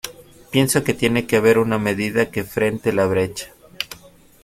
Pienso que tiene que haber una medida que frente la brecha.